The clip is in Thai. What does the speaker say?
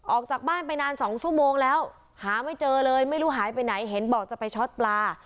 ออกจากบ้านไปนาน๒ชั่วโมงแล้วหาไม่เจอเลยไม่รู้หายไปไหนเห็นบอกจะไปช็อตปลา